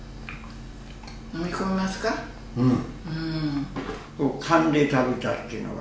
うん！